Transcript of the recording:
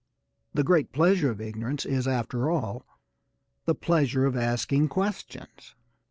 The great pleasure of ignorance is, after all, the pleasure of asking questions.